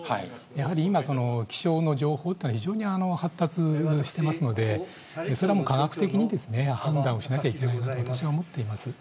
やはり今、気象の情報というのは、非常に発達してますので、それはもう科学的に判断をしなきゃいけないなと私は思っています。